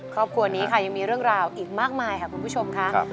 ครอบครัวนี้ค่ะยังมีเรื่องราวอีกมากมายค่ะคุณผู้ชมค่ะ